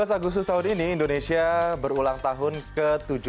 tujuh belas agustus tahun ini indonesia berulang tahun ke tujuh puluh dua